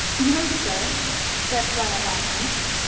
"No sir," said Fleda laughing.